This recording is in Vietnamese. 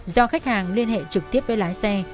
do khách hàng liên hệ trực tiếp với lái xe